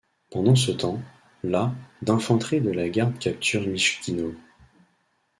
Pendant ce temps, la d'infanterie de la Garde capture Michkino.